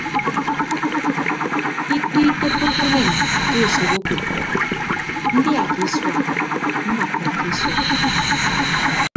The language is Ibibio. Ikpe itoppoke unen ke esop ọkukuọ ndia ke isua mbakka ke isua.